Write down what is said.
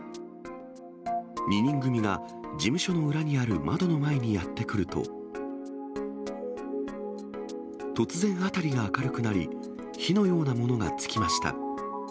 ２人組が、事務所の裏にある窓の前にやって来ると、突然辺りが明るくなり、火のようなものがつきました。